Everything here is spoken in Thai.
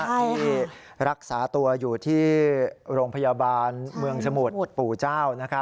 ที่รักษาตัวอยู่ที่โรงพยาบาลเมืองสมุทรปู่เจ้า